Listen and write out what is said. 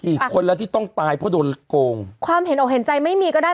อีกคนแล้วที่ต้องตายเพราะโดนโกงความเห็นอกเห็นใจไม่มีก็ได้